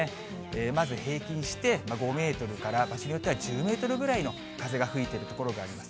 まず平均して５メートルから場所によっては１０メートルぐらいの風が吹いている所があります。